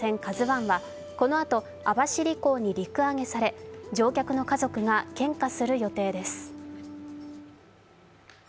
このあと網走港に陸揚げされ、乗客の家族が献花する予定です。